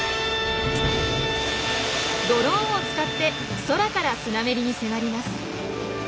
ドローンを使って空からスナメリに迫ります。